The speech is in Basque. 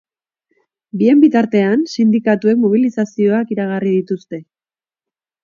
Bien bitartean, sindikatuek mobilizazioak iragarri dituzte.